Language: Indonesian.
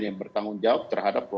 yang bertanggung jawab terhadap